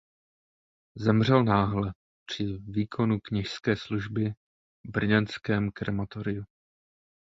Zemřel náhle při výkonu kněžské služby v brněnském krematoriu.